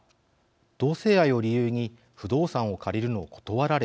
同性愛を理由に不動産を借りるのを断られた。